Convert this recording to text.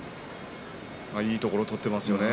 いいところ取ってますよね。